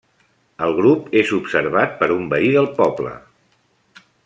El grup és observat per un veí del poble.